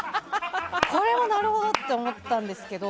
これは、なるほどって思ったんですけど。